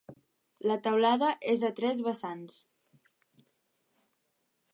La teulada és a tres vessants.